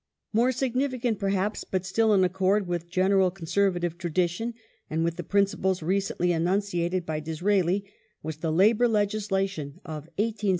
More significant, perhaps, but still in accord with general Con Labour servative tradition, and with the principles recently enunciated ^^S's^a by Disraeli was the labour legislation of 1875 1876.